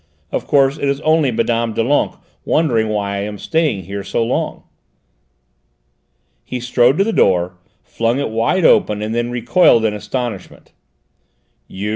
Of course it is only Mme. Doulenques, wondering why I am staying here so long." He strode to the door, flung it wide open, and then recoiled in astonishment. "You?"